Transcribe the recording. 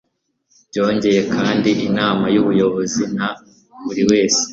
byongeye kandi inama y ubuyobozi na buri wese